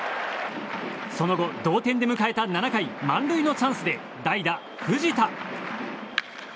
その後、同点で迎えた７回満塁のチャンスで代打、藤田。